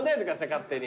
勝手に。